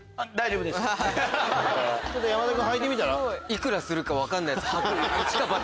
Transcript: いくらするか分からないやつ。